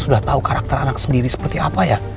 sudah tahu karakter anak sendiri seperti apa ya